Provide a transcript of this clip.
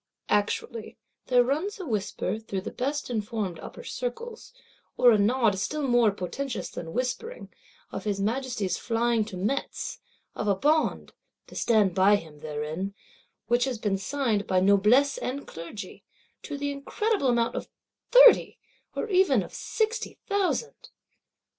_ Actually, there runs a whisper through the best informed Upper Circles, or a nod still more potentous than whispering, of his Majesty's flying to Metz; of a Bond (to stand by him therein) which has been signed by Noblesse and Clergy, to the incredible amount of thirty, or even of sixty thousand.